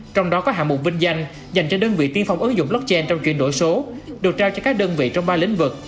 trong đó có hạng mục vinh danh dành cho đơn vị tiên phong ứng dụng blockchain trong chuyển đổi số được trao cho các đơn vị trong ba lĩnh vực